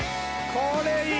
これいい！